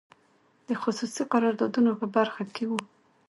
د خصوصي قراردادونو په برخو کې وو.